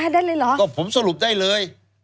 โดย